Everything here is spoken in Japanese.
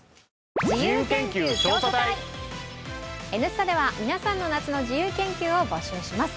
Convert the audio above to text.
「Ｎスタ」では皆さんの夏の自由研究を募集します